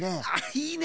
いいね。